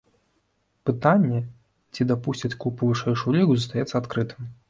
Пытанне, ці дапусцяць клуб у вышэйшую лігу, застаецца адкрытым.